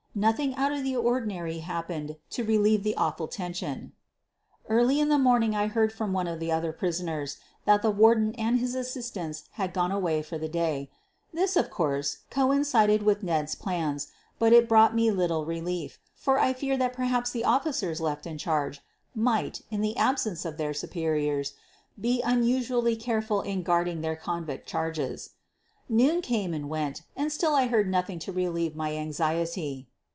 Nothing out of the ordinary happened to relieve the awful tension. Early in the morning I heard from one of the other prisoners that the Warden and his assistants had gone away for the day. This, of course, coincided with Ned's plans, but it brought me little relief, for I feared that perhaps the offi cers left in charge might, in the absence of their superiors, be unusually careful in guarding their convict charges. Noon came and went and still I heard nothing to relieve my anxiety.